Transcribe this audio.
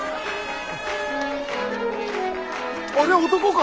あれは男か？